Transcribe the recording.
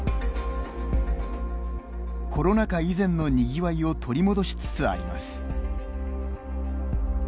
コロナ禍以前のにぎわいを取り戻しつつあります。